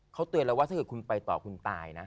เขาเตือนแล้วว่าถ้าเกิดคุณไปต่อคุณตายนะ